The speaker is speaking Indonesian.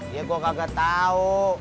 iya gue kagak tau